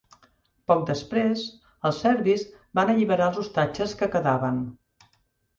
Poc després, els serbis van alliberar els ostatges que quedaven.